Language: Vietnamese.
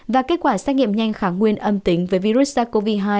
và kết quả xác nghiệm nhanh kháng nguyên âm tính với virus sars cov hai